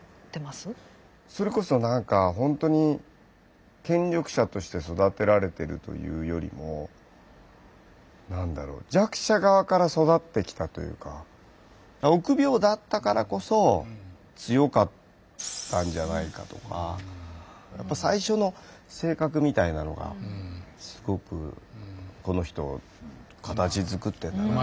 それこそなんかほんとに権力者として育てられてるというよりも何だろう弱者側から育ってきたというか臆病だったからこそ強かったんじゃないかとか最初の性格みたいなのがすごくこの人を形づくってんだ。